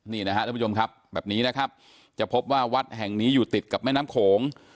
นี่นะครับท่านผู้ชมครับแบบนี้นะครับจะพบว่าวัดแห่งนี้อยู่ติดกับแม่น้ำโขง